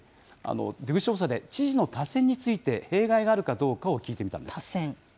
出口調査で、知事の多選について弊害があるかどうかを聞いてみたんです。